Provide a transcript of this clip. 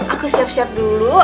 aku siap siap dulu